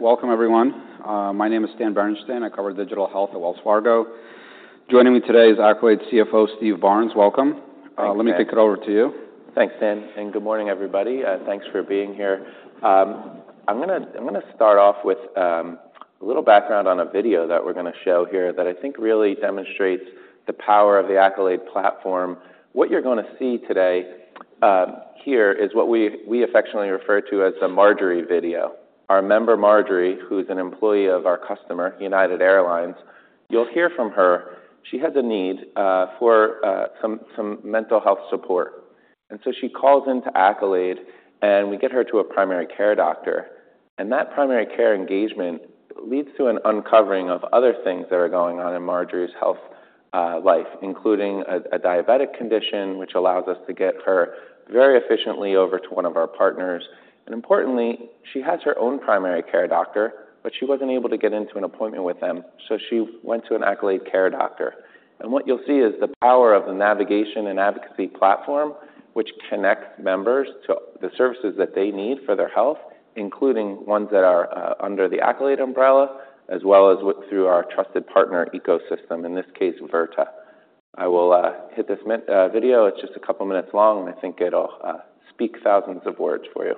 Welcome, everyone. My name is Stan Berenshteyn. I cover digital health at Wells Fargo. Joining me today is Accolade CFO, Steve Barnes. Welcome. Thank you. Let me kick it over to you. Thanks, Stan, and good morning, everybody. Thanks for being here. I'm gonna start off with a little background on a video that we're gonna show here that I think really demonstrates the power of the Accolade platform. What you're gonna see today here is what we affectionately refer to as a Marjorie video. Our member, Marjorie, who's an employee of our customer, United Airlines, you'll hear from her. She has a need for some mental health support, and so she calls into Accolade, and we get her to a primary care doctor, and that primary care engagement leads to an uncovering of other things that are going on in Marjorie's health life, including a diabetic condition, which allows us to get her very efficiently over to one of our partners. Importantly, she has her own primary care doctor, but she wasn't able to get into an appointment with them, so she went to an Accolade Care doctor. What you'll see is the power of the Navigation and Advocacy platform, which connects members to the services that they need for their health, including ones that are under the Accolade umbrella, as well as through our Trusted Partner Ecosystem, in this case, Virta. I will hit this video. It's just a couple of minutes long, and I think it'll speak thousands of words for you.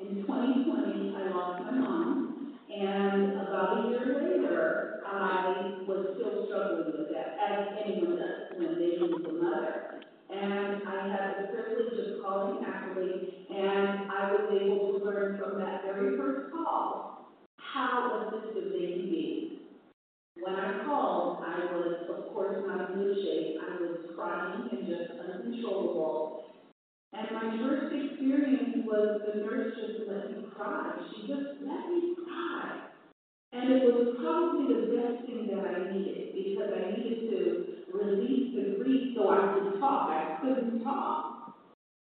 In 2020, I lost my mom, and about a year later, I was still struggling with that, as anyone does when they lose a mother. I had the privilege of calling Accolade, and I was able to learn from that very first call how assistive they can be. When I called, I was, of course, not in good shape. I was crying and just uncontrollable, and my first experience was the nurse just let me cry. She just let me cry, and it was probably the best thing that I needed because I needed to release and breathe so I could talk. I couldn't talk.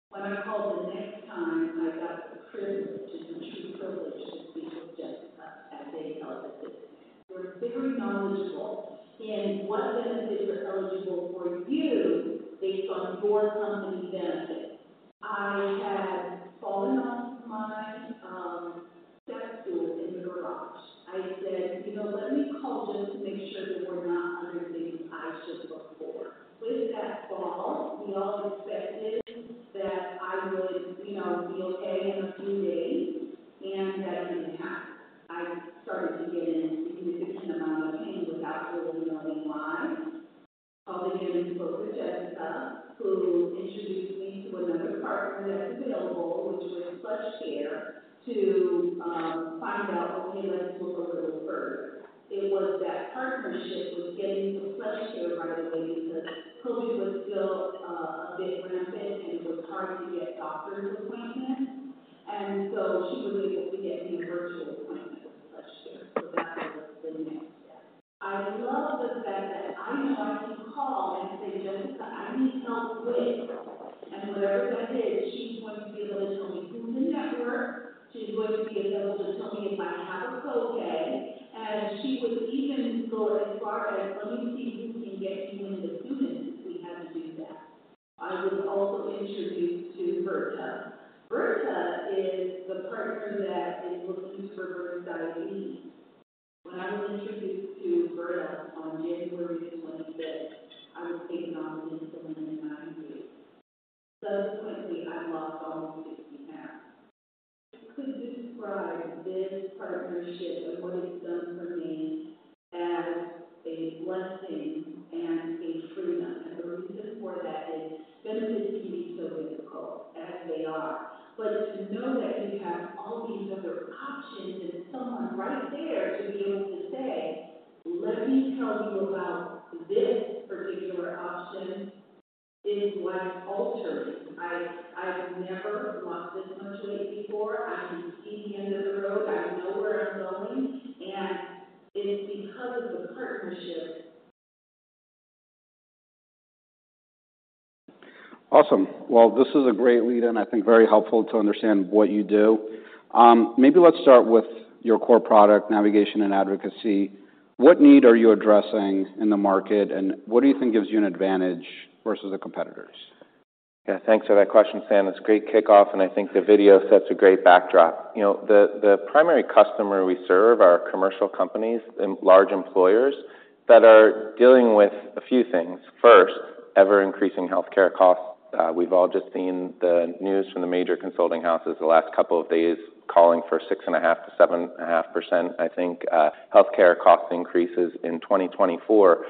When I called the next time, I got the privilege, which is a true privilege to speak with Jessica, as they call the assistant. They're very knowledgeable in what benefits are eligible for you based on your company benefits. I had fallen off my step stool in the garage. I said, "You know, let me call just to make sure that we're not missing anything I should look for." With that fall, we all expected that I would, you know, be okay in a few days, and that didn't happen. I started to get in a significant amount of pain without really knowing why. Called again and spoke with Jessica, who introduced me to another partner that's available, which was PlushCare, to find out, okay, let's look a little further. It was that partnership with getting to PlushCare right away because COVID was still a bit rampant, and it was hard to get doctor's appointments. And so she was able to get me a virtual appointment with PlushCare. So that was the next step. I love the fact that I know I can call and say, "Jessica, I need help with..." And whatever that is, she's going to be able to tell me who's in network, she's going to be able to tell me if I have a copay, and she would even go as far as, "Let me see who can get you in the soonest," if we had to do that. I was also introduced to Virta. Virta is the partner that is looking for reverse diabetes. When I was introduced to Virta on January 25th, I was taking on insulin and nine units. Subsequently, I lost almost 60 pounds. I could describe this partnership and what it's done for me as a blessing and a freedom, and the reason for that is benefits can be so difficult, as they are. But to know that you have all these other options and someone right there to be able to say, "Let me tell you about this particular option," is life-altering. I, I've never lost this much weight before. I can see the end of the road. I know where I'm going, and it is because of the partnership. Awesome. Well, this is a great lead, and I think very helpful to understand what you do. Maybe let's start with your core product, Navigation and Advocacy. What need are you addressing in the market, and what do you think gives you an advantage versus the competitors? Yeah, thanks for that question, Stan. It's a great kickoff, and I think the video sets a great backdrop. You know, the primary customer we serve are commercial companies and large employers that are dealing with a few things. First, ever-increasing healthcare costs. We've all just seen the news from the major consulting houses the last couple of days, calling for 6.5%-7.5%, I think, healthcare cost increases in 2024.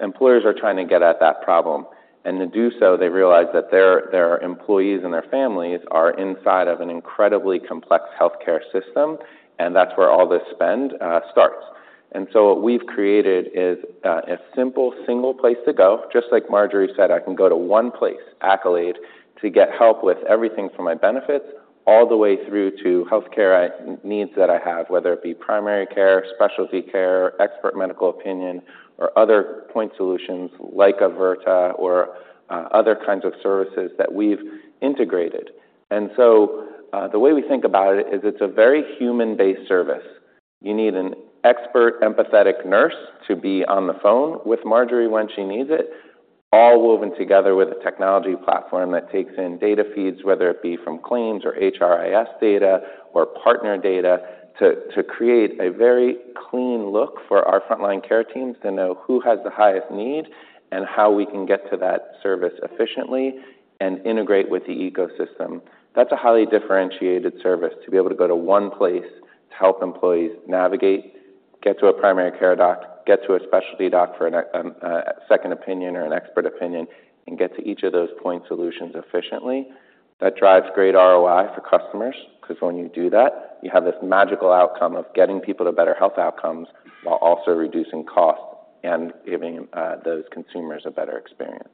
Employers are trying to get at that problem, and to do so, they realize that their employees and their families are inside of an incredibly complex healthcare system, and that's where all the spend starts. And so what we've created is a simple, single place to go. Just like Marjorie said, I can go to one place, Accolade, to get help with everything from my benefits, all the way through to healthcare needs that I have, whether it be primary care, specialty care, expert medical opinion, or other point solutions like Virta or other kinds of services that we've integrated. And so, the way we think about it is it's a very human-based service... You need an expert, empathetic nurse to be on the phone with Marjorie when she needs it, all woven together with a Technology platform that takes in data feeds, whether it be from claims or HRIS data or partner data, to create a very clean look for our frontline care teams to know who has the highest need and how we can get to that service efficiently and integrate with the ecosystem. That's a highly differentiated service, to be able to go to one place to help employees navigate, get to a primary care doc, get to a specialty doc for a second opinion or an expert opinion, and get to each of those point solutions efficiently. That drives great ROI for customers, 'cause when you do that, you have this magical outcome of getting people to better health outcomes while also reducing costs and giving those consumers a better experience.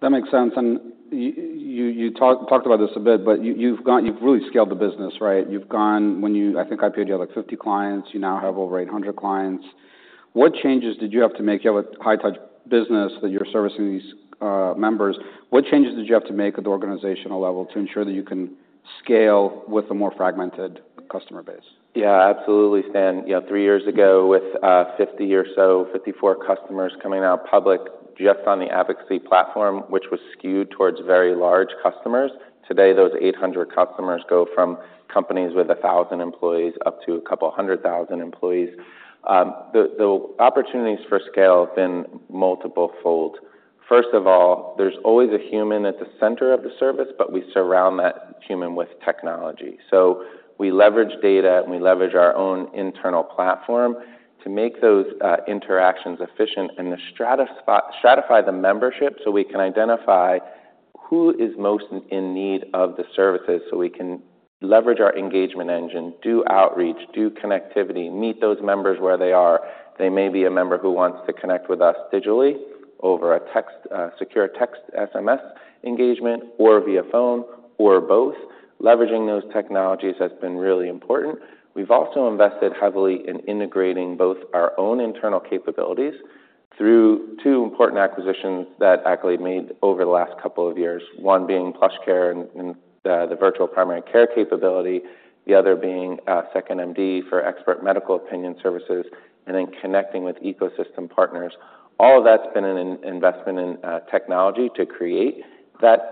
That makes sense, and you talked about this a bit, but you've really scaled the business, right? You've gone. When you—I think I paid you, like, 50 clients. You now have over 800 clients. What changes did you have to make? You have a high-touch business that you're servicing these members. What changes did you have to make at the organizational level to ensure that you can scale with a more fragmented customer base? Yeah, absolutely, Stan. You know, three years ago, with 50 or so, 54 customers coming out public just on the Advocacy platform, which was skewed towards very large customers, today, those 800 customers go from companies with 1,000 employees up to a couple hundred thousand employees. The opportunities for scale have been multiple-fold. First of all, there's always a human at the center of the service, but we surround that human with technology. So we leverage data, and we leverage our own internal platform to make those interactions efficient and to stratify the membership, so we can identify who is most in need of the services, so we can leverage our engagement engine, do outreach, do connectivity, meet those members where they are. They may be a member who wants to connect with us digitally over a text, secure text SMS engagement or via phone or both. Leveraging those technologies has been really important. We've also invested heavily in integrating both our own internal capabilities through two important acquisitions that Accolade made over the last couple of years, one being PlushCare and the virtual primary care capability, the other being 2nd.MD for expert medical opinion services, and then connecting with ecosystem partners. All of that's been an investment in technology to create that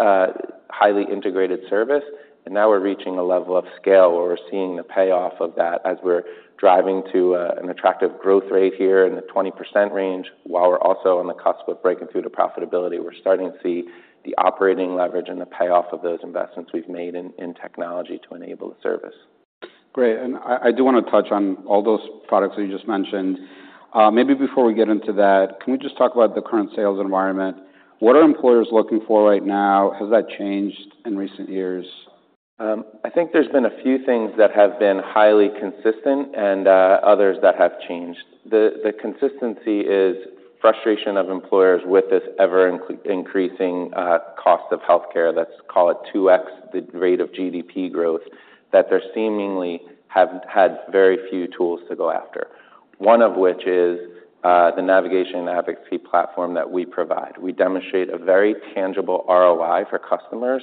highly integrated service, and now we're reaching a level of scale where we're seeing the payoff of that as we're driving to an attractive growth rate here in the 20% range, while we're also on the cusp of breaking through to profitability. We're starting to see the operating leverage and the payoff of those investments we've made in technology to enable the service. Great, and I, I do wanna touch on all those products that you just mentioned. Maybe before we get into that, can we just talk about the current sales environment? What are employers looking for right now? Has that changed in recent years? I think there's been a few things that have been highly consistent and others that have changed. The consistency is frustration of employers with this ever-increasing cost of healthcare. Let's call it 2x the rate of GDP growth, that they're seemingly have had very few tools to go after. One of which is the Navigation and Advocacy platform that we provide. We demonstrate a very tangible ROI for customers.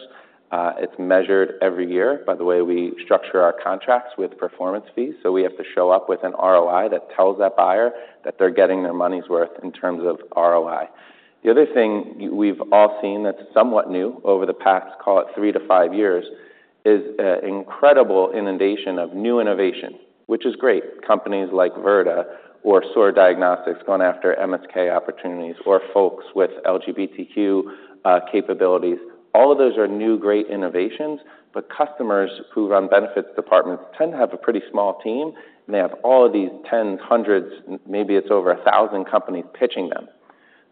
It's measured every year by the way we structure our contracts with performance fees, so we have to show up with an ROI that tells that buyer that they're getting their money's worth in terms of ROI. The other thing we've all seen that's somewhat new over the past, call it three to five years, is an incredible inundation of new innovation, which is great. Companies like Virta or Sword going after MSK opportunities or folks with LGBTQ capabilities, all of those are new, great innovations, but customers who run benefits departments tend to have a pretty small team, and they have all of these 10s, 100s, maybe it's over 1,000 companies pitching them.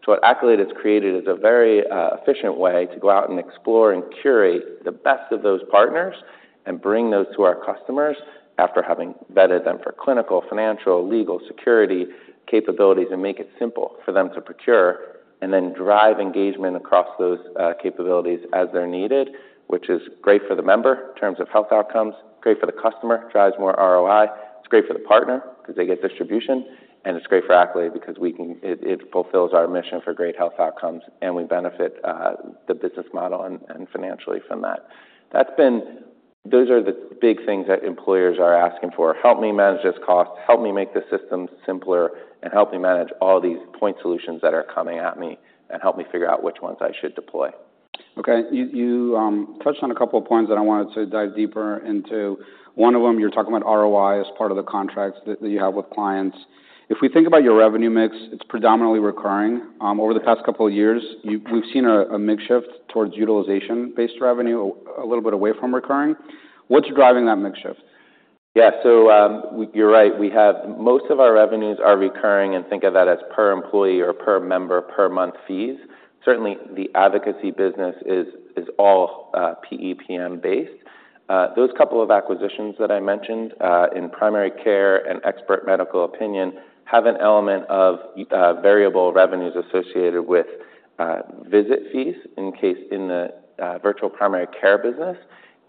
So what Accolade has created is a very efficient way to go out and explore and curate the best of those partners and bring those to our customers after having vetted them for clinical, financial, legal, security capabilities and make it simple for them to procure and then drive engagement across those capabilities as they're needed, which is great for the member in terms of health outcomes, great for the customer, drives more ROI. It's great for the partner because they get distribution, and it's great for Accolade because we can... It fulfills our mission for great health outcomes, and we benefit the business model and financially from that. Those are the big things that employers are asking for: "Help me manage this cost, help me make the system simpler, and help me manage all these point solutions that are coming at me, and help me figure out which ones I should deploy. Okay. You touched on a couple of points that I wanted to dive deeper into. One of them, you're talking about ROI as part of the contracts that you have with clients. If we think about your revenue mix, it's predominantly recurring. Over the past couple of years, we've seen a mix shift towards utilization-based revenue, a little bit away from recurring. What's driving that mix shift? Yeah. So, you're right. We have most of our revenues are recurring, and think of that as per-employee or per-member, per-month fees. Certainly, the Advocacy business is all PEPM-based. Those couple of acquisitions that I mentioned, in primary care and Expert Medical Opinion, have an element of variable revenues associated with visit fees, in the case of the virtual primary care business.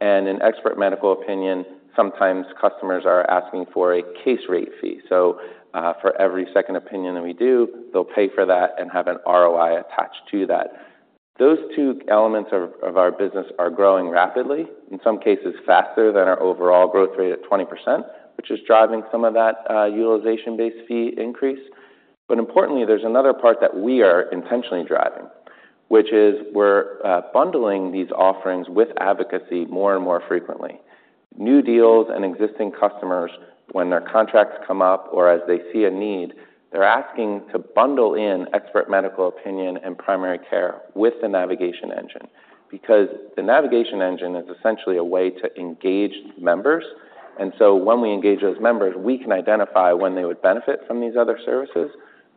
And in Expert Medical Opinion, sometimes customers are asking for a case rate fee. So, for every second opinion that we do, they'll pay for that and have an ROI attached to that. Those two elements of our business are growing rapidly, in some cases faster than our overall growth rate at 20%, which is driving some of that utilization-based fee increase. But importantly, there's another part that we are intentionally driving, which is we're bundling these offerings with Advocacy more and more frequently. New deals and existing customers, when their contracts come up or as they see a need, they're asking to bundle in Expert Medical Opinion and primary care with the Navigation engine, because the Navigation engine is essentially a way to engage members. And so when we engage those members, we can identify when they would benefit from these other services,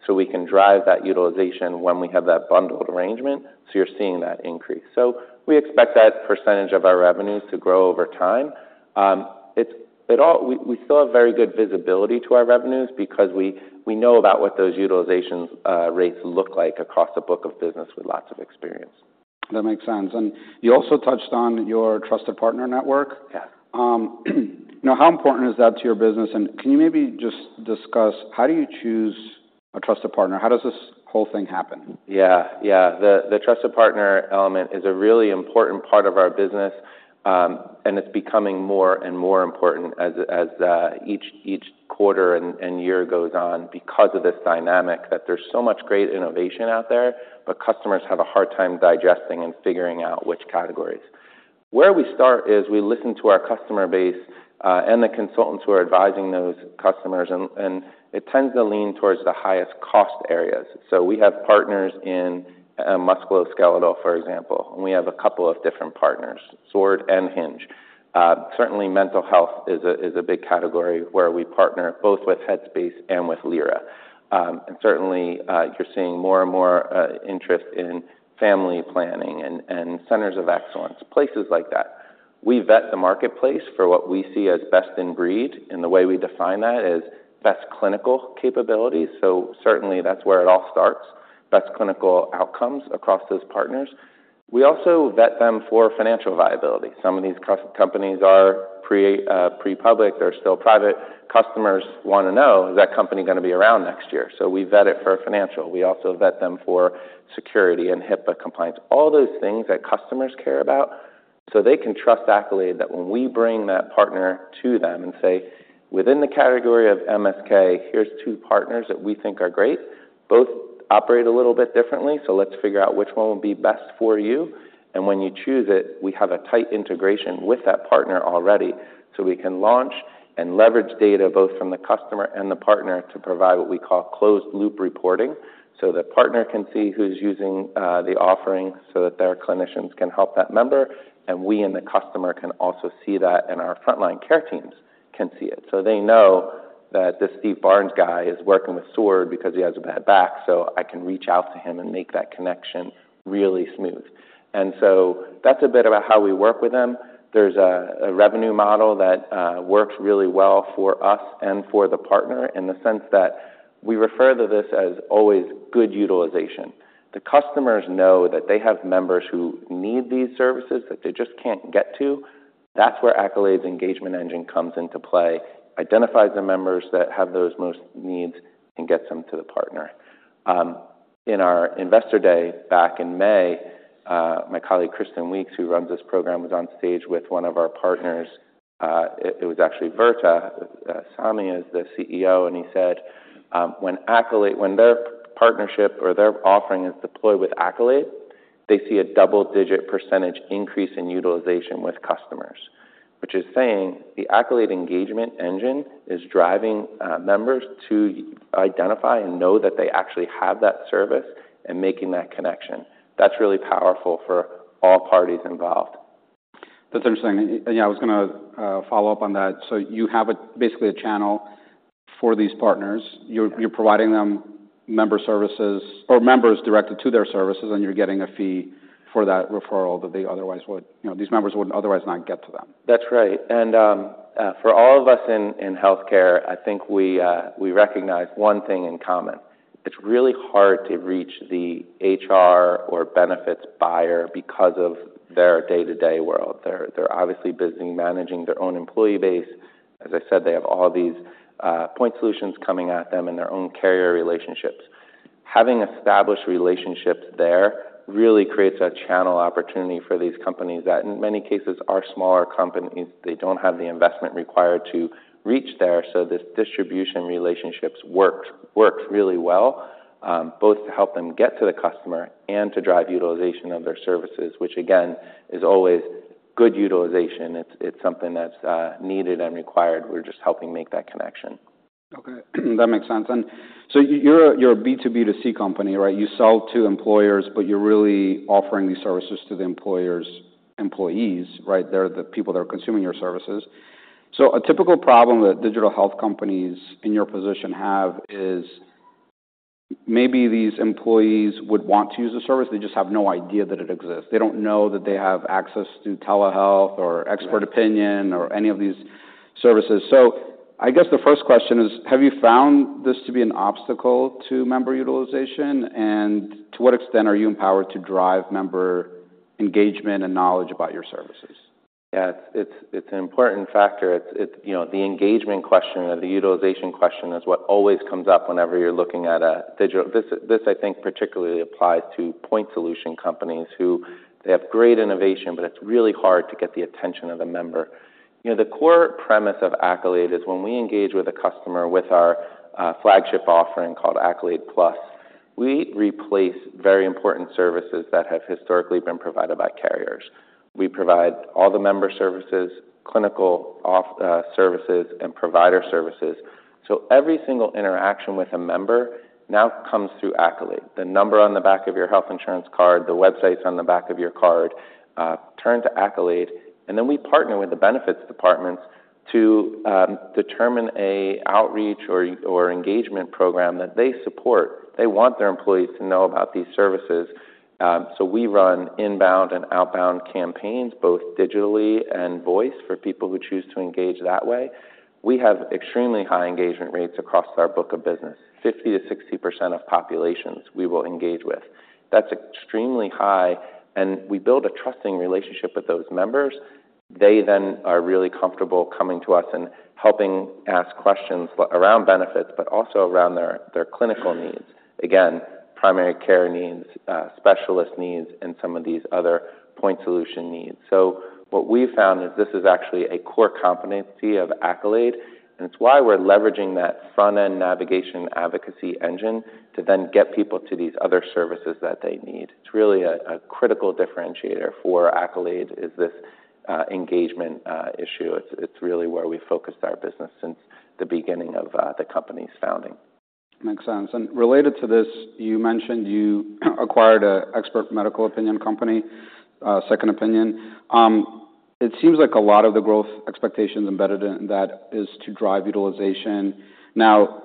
so we can drive that utilization when we have that bundled arrangement. So you're seeing that increase. So we expect that percentage of our revenues to grow over time. We still have very good visibility to our revenues because we know about what those utilization rates look like across the book of business with lots of experience. That makes sense. You also touched on your trusted partner network. Yeah. Now, how important is that to your business? And can you maybe just discuss how do you choose a trusted partner? How does this whole thing happen? Yeah, yeah. The trusted partner element is a really important part of our business, and it's becoming more and more important as each quarter and year goes on, because of this dynamic, that there's so much great innovation out there, but customers have a hard time digesting and figuring out which categories. Where we start is we listen to our customer base, and the consultants who are advising those customers, and it tends to lean towards the highest cost areas. So we have partners in musculoskeletal, for example, and we have a couple of different partners, Sword and Hinge. Certainly, mental health is a big category where we partner both with Headspace and with Lyra. And certainly, you're seeing more and more interest in family planning and centers of excellence, places like that. We vet the marketplace for what we see as best in breed, and the way we define that is best clinical capabilities. So certainly that's where it all starts, best clinical outcomes across those partners. We also vet them for financial viability. Some of these companies are pre, pre-public, they're still private. Customers want to know, is that company gonna be around next year? So we vet it for financial. We also vet them for security and HIPAA compliance, all those things that customers care about, so they can trust Accolade that when we bring that partner to them and say, "Within the category of MSK, here's two partners that we think are great. Both operate a little bit differently, so let's figure out which one would be best for you." And when you choose it, we have a tight integration with that partner already, so we can launch and leverage data both from the customer and the partner to provide what we call closed-loop reporting. So the partner can see who's using the offering so that their clinicians can help that member, and we and the customer can also see that, and our frontline care teams can see it. So they know that this Steve Barnes guy is working with Sword because he has a bad back, so I can reach out to him and make that connection really smooth. And so that's a bit about how we work with them. There's a revenue model that works really well for us and for the partner in the sense that we refer to this as always good utilization. The customers know that they have members who need these services that they just can't get to. That's where Accolade's engagement engine comes into play, identifies the members that have those most needs, and gets them to the partner. In our investor day back in May, my colleague, Kristen Weeks, who runs this program, was on stage with one of our partners. It was actually Virta. Sami is the CEO, and he said, when their partnership or their offering is deployed with Accolade, they see a double-digit percentage increase in utilization with customers, which is saying the Accolade engagement engine is driving members to identify and know that they actually have that service and making that connection. That's really powerful for all parties involved. That's interesting. Yeah, I was gonna follow up on that. You have basically a channel for these partners. Yeah. You're providing them member services or members directly to their services, and you're getting a fee for that referral that they otherwise would... You know, these members would otherwise not get to them. That's right. And, for all of us in healthcare, I think we recognize one thing in common: It's really hard to reach the HR or benefits buyer because of their day-to-day world. They're obviously busy managing their own employee base. As I said, they have all these point solutions coming at them in their own carrier relationships. Having established relationships there really creates a channel opportunity for these companies that, in many cases, are smaller companies. They don't have the investment required to reach there, so this distribution relationships works really well, both to help them get to the customer and to drive utilization of their services, which again, is always good utilization. It's something that's needed and required. We're just helping make that connection. Okay, that makes sense. So you're a, you're a B2B2C company, right? You sell to employers, but you're really offering these services to the employers' employees, right? They're the people that are consuming your services. So a typical problem that digital health companies in your position have is maybe these employees would want to use the service, they just have no idea that it exists. They don't know that they have access to telehealth or- Right... expert opinion or any of these services. So I guess the first question is: have you found this to be an obstacle to member utilization? And to what extent are you empowered to drive member engagement and knowledge about your services? ... Yeah, it's an important factor. It's, you know, the engagement question or the utilization question is what always comes up whenever you're looking at. This I think, particularly applies to point solution companies who they have great innovation, but it's really hard to get the attention of the member. You know, the core premise of Accolade is when we engage with a customer with our flagship offering called Accolade Plus, we replace very important services that have historically been provided by carriers. We provide all the member services, clinical services, and provider services. So every single interaction with a member now comes through Accolade. The number on the back of your health insurance card, the websites on the back of your card, turn to Accolade, and then we partner with the benefits departments to determine a outreach or engagement program that they support. They want their employees to know about these services, so we run inbound and outbound campaigns, both digitally and voice, for people who choose to engage that way. We have extremely high engagement rates across our book of business. 50%-60% of populations we will engage with. That's extremely high, and we build a trusting relationship with those members. They then are really comfortable coming to us and helping ask questions around benefits, but also around their clinical needs. Again, primary care needs, specialist needs, and some of these other point solution needs. So what we've found is this is actually a core competency of Accolade, and it's why we're leveraging that front-end Navigation Advocacy engine to then get people to these other services that they need. It's really a critical differentiator for Accolade, this engagement issue. It's really where we focused our business since the beginning of the company's founding. Makes sense. And related to this, you mentioned you acquired an Expert Medical Opinion company, second opinion. It seems like a lot of the growth expectations embedded in that is to drive utilization. Now,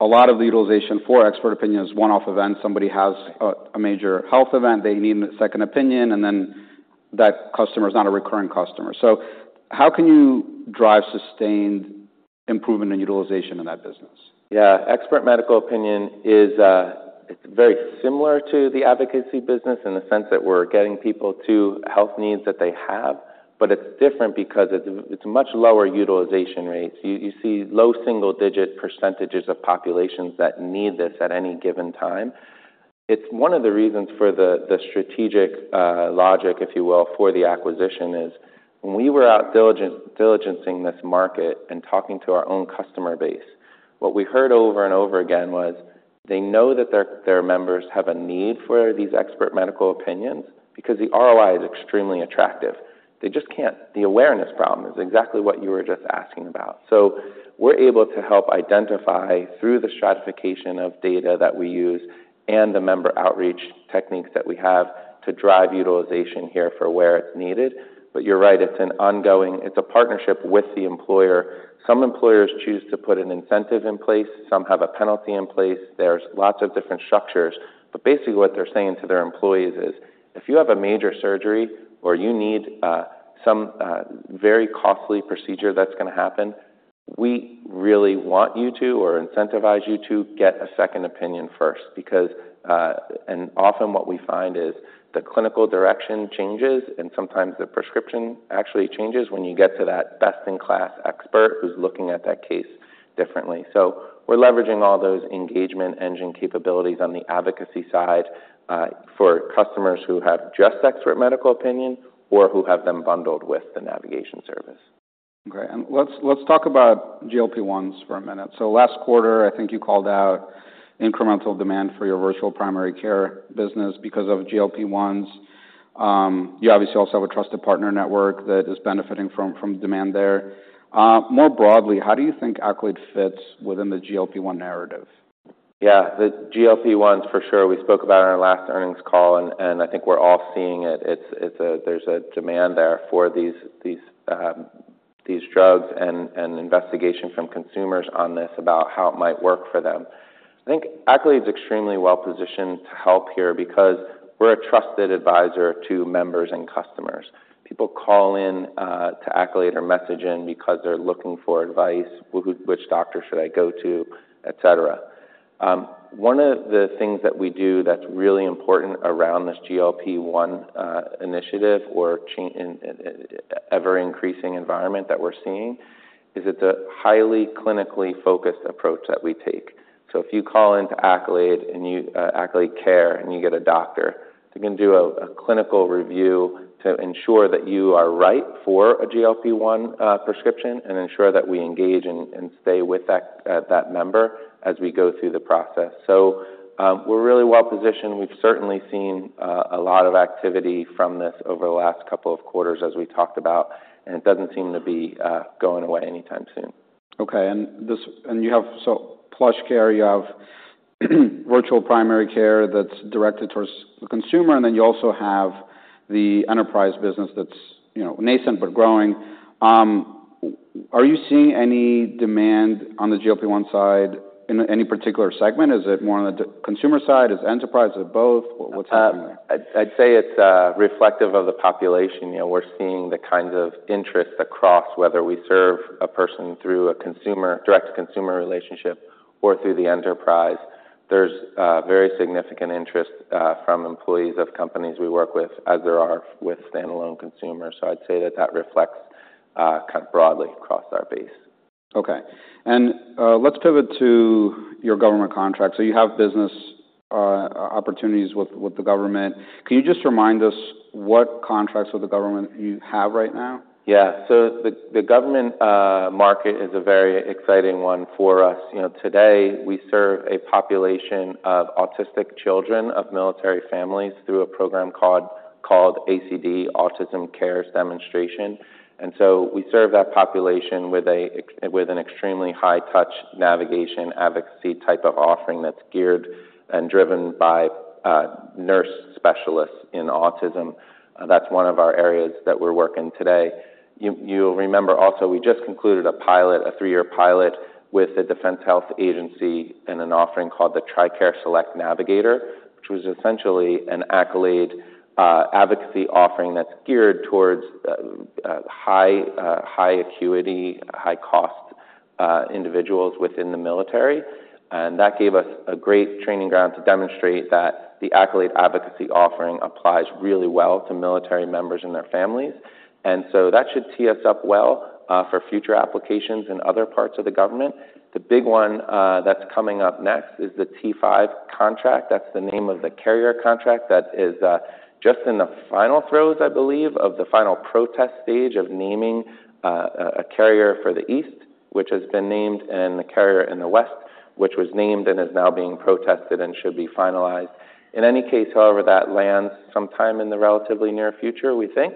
a lot of the utilization for Expert Medical Opinion is one-off event. Somebody has a major health event, they need a second opinion, and then that customer is not a recurring customer. So how can you drive sustained improvement in utilization in that business? Yeah. Expert Medical Opinion is, it's very similar to the Advocacy business in the sense that we're getting people to health needs that they have, but it's different because it's much lower utilization rates. You see low single-digit % of populations that need this at any given time. It's one of the reasons for the strategic logic, if you will, for the acquisition, is when we were out diligencing this market and talking to our own customer base, what we heard over and over again was they know that their members have a need for these Expert Medical Opinions because the ROI is extremely attractive. They just can't... The awareness problem is exactly what you were just asking about. So we're able to help identify through the stratification of data that we use and the member outreach techniques that we have to drive utilization here for where it's needed. But you're right, it's an ongoing. It's a partnership with the employer. Some employers choose to put an incentive in place, some have a penalty in place. There's lots of different structures, but basically what they're saying to their employees is: If you have a major surgery or you need some very costly procedure that's gonna happen, we really want you to or incentivize you to get a second opinion first, because and often what we find is the clinical direction changes, and sometimes the prescription actually changes when you get to that best-in-class expert who's looking at that case differently. So we're leveraging all those engagement engine capabilities on the Advocacy side, for customers who have just Expert Medical Opinion or who have them bundled with the Navigation service. Great. And let's, let's talk about GLP-1s for a minute. So last quarter, I think you called out incremental demand for your virtual primary care business because of GLP-1s. You obviously also have a trusted partner network that is benefiting from, from demand there. More broadly, how do you think Accolade fits within the GLP-1 narrative? Yeah, the GLP-1s, for sure. We spoke about it on our last earnings call, and I think we're all seeing it. It's a- There's a demand there for these drugs and investigation from consumers on this about how it might work for them. I think Accolade is extremely well-positioned to help here because we're a trusted advisor to members and customers. People call in to Accolade or message in because they're looking for advice, "Well, who, which doctor should I go to?" Et cetera. One of the things that we do that's really important around this GLP-1 initiative or in ever-increasing environment that we're seeing, is it's a highly clinically focused approach that we take. So if you call into Accolade and you, Accolade Care and you get a doctor, they can do a clinical review to ensure that you are right for a GLP-1 prescription and ensure that we engage and stay with that member as we go through the process. So, we're really well positioned. We've certainly seen a lot of activity from this over the last couple of quarters, as we talked about, and it doesn't seem to be going away anytime soon. Okay. And you have, so PlushCare, you have virtual primary care that's directed towards the consumer, and then you also have the enterprise business that's, you know, nascent, but growing. Are you seeing any demand on the GLP-1 side in any particular segment? Is it more on the direct-consumer side? Is it enterprise? Is it both? What's happening there? I'd say it's reflective of the population. You know, we're seeing the kinds of interest across whether we serve a person through a consumer, direct-to-consumer relationship or through the enterprise. There's very significant interest from employees of companies we work with, as there are with standalone consumers. So I'd say that, that reflects kind of broadly across our base. Okay, let's pivot to your government contracts. You have business opportunities with the government. Can you just remind us what contracts with the government you have right now? Yeah. So the government market is a very exciting one for us. You know, today, we serve a population of autistic children of military families through a program called ACD, Autism Care Demonstration. And so we serve that population with an extremely high-touch Navigation Advocacy type of offering that's geared and driven by nurse specialists in autism. That's one of our areas that we're working today. You, you'll remember also, we just concluded a pilot, a three-year pilot, with the Defense Health Agency in an offering called the TRICARE Select Navigator, which was essentially an Accolade Advocacy offering that's geared towards high-acuity, high-cost individuals within the military. And that gave us a great training ground to demonstrate that the Accolade Advocacy offering applies really well to military members and their families. So that should tee us up well for future applications in other parts of the government. The big one that's coming up next is the T-5 contract. That's the name of the carrier contract that is just in the final throes, I believe, of the final protest stage of naming a carrier for the East, which has been named, and the carrier in the West, which was named and is now being protested and should be finalized. In any case, however, that lands sometime in the relatively near future, we think.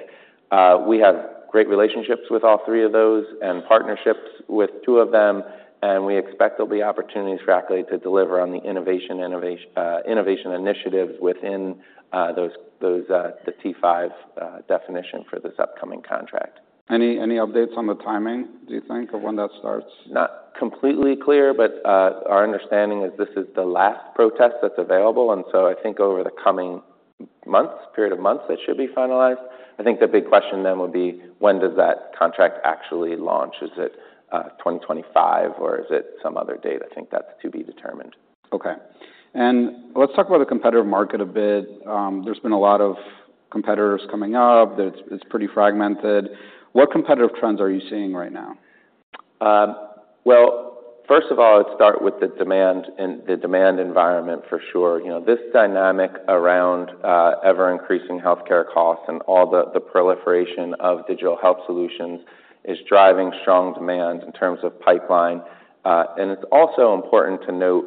We have great relationships with all three of those and partnerships with two of them, and we expect there'll be opportunities for Accolade to deliver on the innovation initiatives within those the T-5 definition for this upcoming contract. Any updates on the timing, do you think, of when that starts? Not completely clear, but, our understanding is this is the last protest that's available, and so I think over the coming months, period of months, it should be finalized. I think the big question then would be, when does that contract actually launch? Is it 2025, or is it some other date? I think that's to be determined. Okay. Let's talk about the competitive market a bit. There's been a lot of competitors coming up. It's pretty fragmented. What competitive trends are you seeing right now? Well, first of all, let's start with the demand and the demand environment for sure. You know, this dynamic around ever-increasing healthcare costs and all the proliferation of digital health solutions is driving strong demand in terms of pipeline. And it's also important to note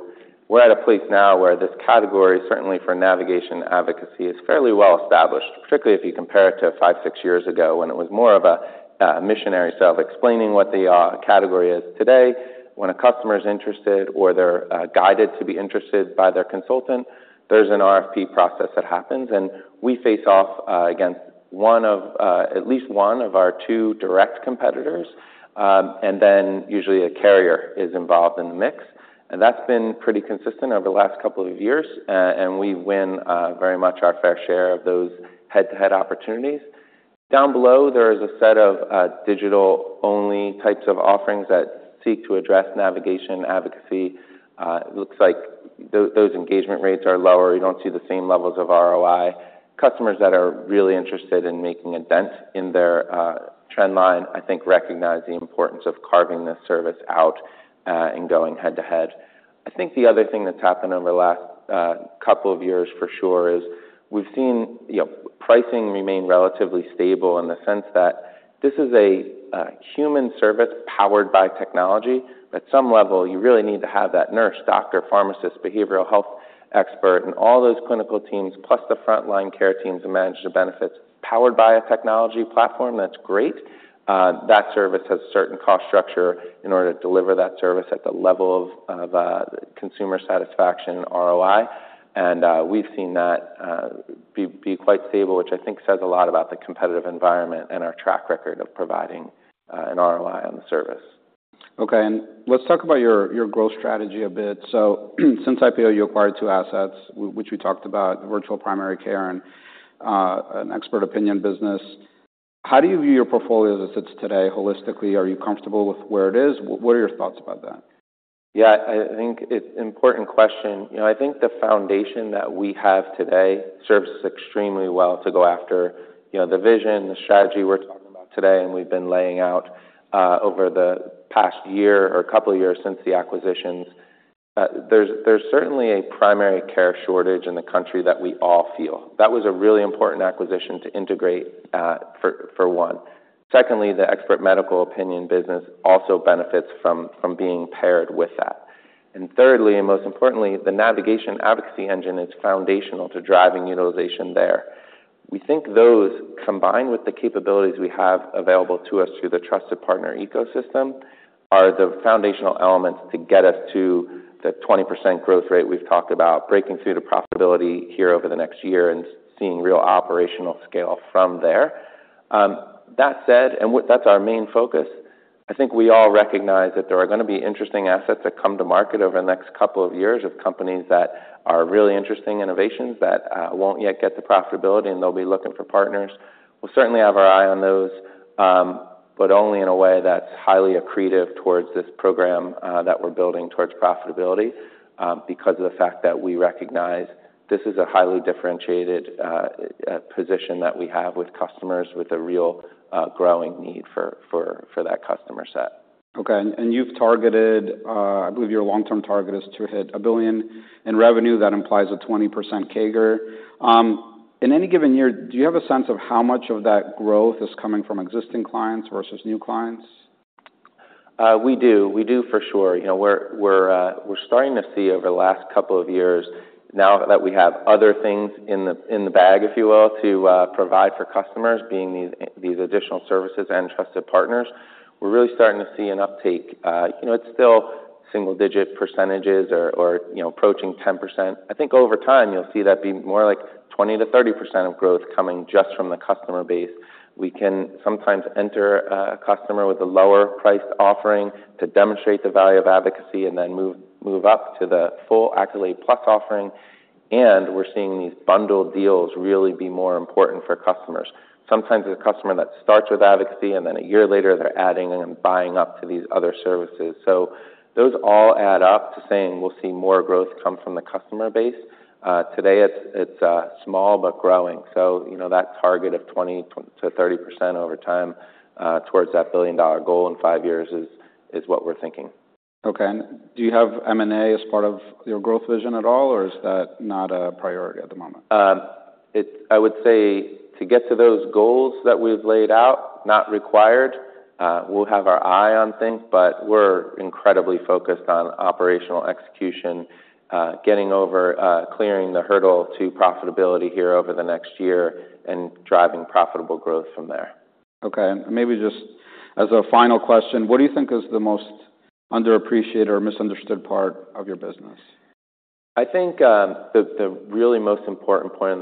we're at a place now where this category, certainly for Navigation Advocacy, is fairly well established, particularly if you compare it to five, six years ago, when it was more of a missionary sale, explaining what the category is. Today, when a customer is interested or they're guided to be interested by their consultant, there's an RFP process that happens, and we face off against one of at least one of our two direct competitors. And then usually a carrier is involved in the mix, and that's been pretty consistent over the last couple of years. And we win very much our fair share of those head-to-head opportunities. Down below, there is a set of digital-only types of offerings that seek to address Navigation Advocacy. It looks like those engagement rates are lower. You don't see the same levels of ROI. Customers that are really interested in making a dent in their trend line, I think, recognize the importance of carving this service out and going head-to-head. I think the other thing that's happened over the last couple of years for sure is we've seen, you know, pricing remain relatively stable in the sense that this is a human service powered by technology. At some level, you really need to have that nurse, doctor, pharmacist, behavioral health expert, and all those clinical teams, plus the frontline care teams and management benefits, powered by a technology platform. That's great. That service has certain cost structure in order to deliver that service at the level of consumer satisfaction and ROI. We've seen that be quite stable, which I think says a lot about the competitive environment and our track record of providing an ROI on the service. Okay, and let's talk about your growth strategy a bit. So since IPO, you acquired two assets, which we talked about, virtual primary care and an expert opinion business. How do you view your portfolio as it sits today, holistically? Are you comfortable with where it is? What are your thoughts about that? Yeah, I think it's an important question. You know, I think the foundation that we have today serves us extremely well to go after, you know, the vision, the strategy we're talking about today, and we've been laying out over the past year or couple of years since the acquisitions. There's certainly a primary care shortage in the country that we all feel. That was a really important acquisition to integrate for one. Secondly, the Expert Medical Opinion business also benefits from being paired with that. And thirdly, and most importantly, the Navigation Advocacy engine is foundational to driving utilization there. We think those, combined with the capabilities we have available to us through the trusted partner ecosystem, are the foundational elements to get us to the 20% growth rate we've talked about, breaking through to profitability here over the next year and seeing real operational scale from there. That said, that's our main focus. I think we all recognize that there are gonna be interesting assets that come to market over the next couple of years with companies that are really interesting innovations that won't yet get to profitability, and they'll be looking for partners. We'll certainly have our eye on those, but only in a way that's highly accretive towards this program that we're building towards profitability, because of the fact that we recognize this is a highly differentiated position that we have with customers with a real growing need for that customer set. Okay. And you've targeted, I believe your long-term target is to hit $1 billion in revenue. That implies a 20% CAGR. In any given year, do you have a sense of how much of that growth is coming from existing clients versus new clients? We do. We do for sure. You know, we're starting to see over the last couple of years, now that we have other things in the bag, if you will, to provide for customers, being these additional services and trusted partners. We're really starting to see an uptake. You know, it's still single-digit percentages or you know, approaching 10%. I think over time, you'll see that be more like 20%-30% of growth coming just from the customer base. We can sometimes enter a customer with a lower-priced offering to demonstrate the value of Advocacy and then move up to the full Accolade Plus offering, and we're seeing these bundled deals really be more important for customers. Sometimes it's a customer that starts with Advocacy, and then a year later, they're adding and buying up to these other services. So those all add up to saying we'll see more growth come from the customer base. Today, it's small but growing, so you know, that target of 20%-30% over time towards that billion-dollar goal in five years is what we're thinking. Okay. Do you have M&A as part of your growth vision at all, or is that not a priority at the moment? I would say to get to those goals that we've laid out, not required. We'll have our eye on things, but we're incredibly focused on operational execution, getting over, clearing the hurdle to profitability here over the next year and driving profitable growth from there. Okay. Maybe just as a final question, what do you think is the most underappreciated or misunderstood part of your business? I think, the really most important point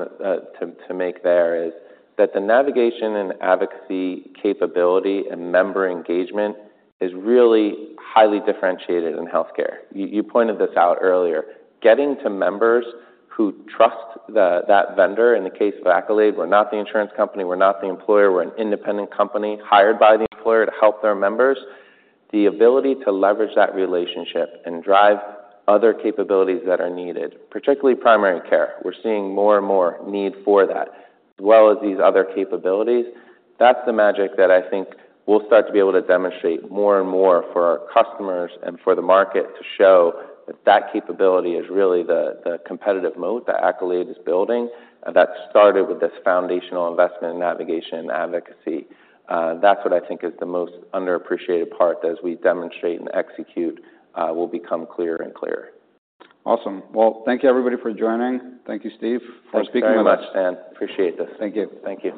to make there is that the Navigation and Advocacy capability and member engagement is really highly differentiated in healthcare. You pointed this out earlier. Getting to members who trust that vendor, in the case of Accolade, we're not the insurance company, we're not the employer. We're an independent company hired by the employer to help their members. The ability to leverage that relationship and drive other capabilities that are needed, particularly primary care. We're seeing more and more need for that, as well as these other capabilities. That's the magic that I think we'll start to be able to demonstrate more and more for our customers and for the market to show that that capability is really the competitive moat that Accolade is building, and that started with this foundational investment in Navigation and Advocacy. That's what I think is the most underappreciated part that, as we demonstrate and execute, will become clearer and clearer. Awesome. Well, thank you, everybody, for joining. Thank you, Steve, for speaking with us. Thanks very much, Stan. Appreciate this. Thank you. Thank you.